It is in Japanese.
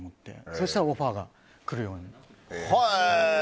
そうしたらオファーが来るようになって。